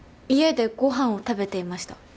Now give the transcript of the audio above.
家でご飯を食べていました。